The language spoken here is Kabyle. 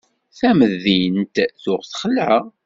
Tamdint tuɣ texla.